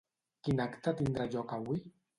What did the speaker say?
Quin acte tindrà lloc avui?